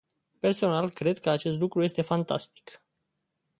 Personal, cred că acest lucru este fantastic.